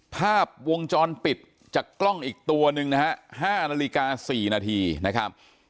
ภาพวงจรปิดจากกล้องอีกตัวหนึ่งนะฮะ๕นาฬิกา๔นาทีนะครับ